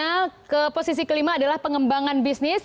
nah ke posisi kelima adalah pengembangan bisnis